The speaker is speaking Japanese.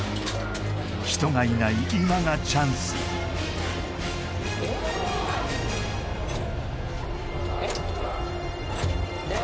人がいない今がチャンス・えっ？